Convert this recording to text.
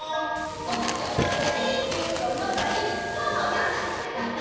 おかしをたべたりジュースをのんだりほんをよんだりしてたんだ！